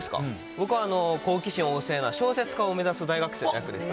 僕は好奇心旺盛な小説家を目指す大学生の役です。